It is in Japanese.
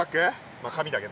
まあ紙だけど。